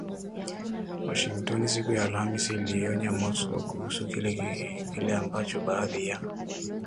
Washington siku ya Alhamis iliionya Moscow kuhusu kile ambacho baadhi ya